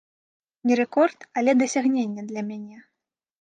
Не рэкорд, але дасягненне для мяне.